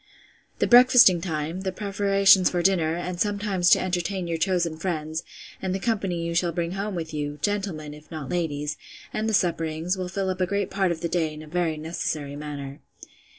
The breakfasting time, the preparations for dinner, and sometimes to entertain your chosen friends, and the company you shall bring home with you, gentlemen, if not ladies, and the supperings, will fill up a great part of the day in a very necessary manner.